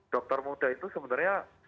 dokter muda itu sebenarnya